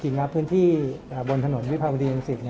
จริงจริงพื้นที่บนถนนวิภาพดีดังสิทธิ์